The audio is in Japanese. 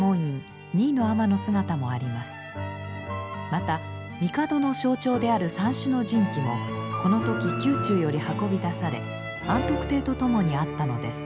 また帝の象徴である三種の神器もこの時宮中より運び出され安徳帝と共にあったのです。